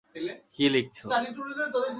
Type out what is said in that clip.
কী লিখছো?